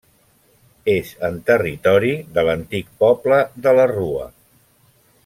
És en territori de l'antic poble de la Rua.